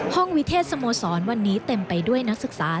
วิเทศสโมสรวันนี้เต็มไปด้วยนักศึกษา